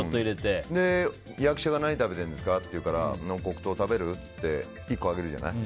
役者が何食べてるんですかって言うから黒糖食べる？って１個あげるじゃない。